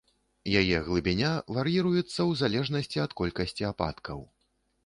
Яе глыбіня вар'іруецца ў залежнасці ад колькасці ападкаў.